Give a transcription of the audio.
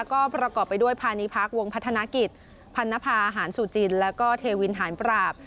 ก็ประกอบไปด้วยพาณิพักษวงพัฒนกิจพันนภาหารสุจินแล้วก็เทวินหารปราบ